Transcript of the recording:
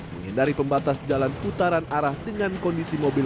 menghindari pembatas jalan putaran arah dengan kondisi mobil